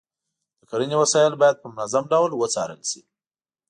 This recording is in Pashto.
د کرنې وسایل باید په منظم ډول وڅارل شي.